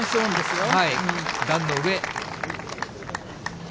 段の上。